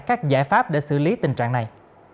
các giải pháp để xử lý tình trạng này